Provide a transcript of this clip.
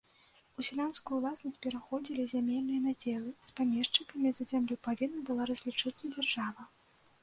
У сялянскую ўласнасць пераходзілі зямельныя надзелы, з памешчыкамі за зямлю павінна была разлічыцца дзяржава.